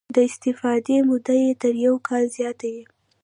د استفادې موده یې تر یو کال زیاته وي.